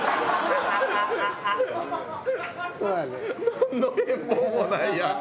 なんの変貌もないやん。